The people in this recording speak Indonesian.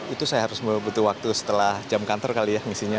itu saya harus membutuhkan waktu setelah jam kantor kali ya misinya